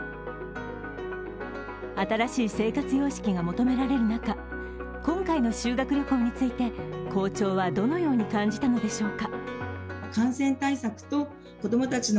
新しい生活様式が求められる中、今回の修学旅行について校長はどのように感じたのでしょうか。